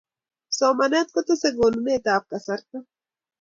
somanet kotesei konunet ap kasarta